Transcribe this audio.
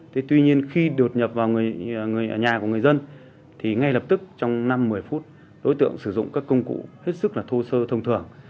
thế tuy nhiên khi đột nhập vào nhà của người dân thì ngay lập tức trong năm một mươi phút đối tượng sử dụng các công cụ hết sức là thô sơ thông thường